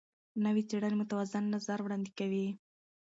نوې څېړنې متوازن نظر وړاندې کوي.